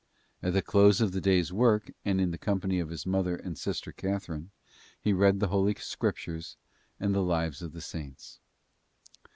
At the close of the day's work and in the company of his mother and sister Catherine, he read the Holy Scriptures and the lives of the Saints.